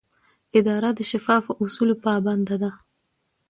اداره د شفافو اصولو پابنده ده.